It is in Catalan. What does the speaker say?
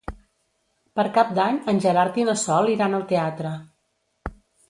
Per Cap d'Any en Gerard i na Sol iran al teatre.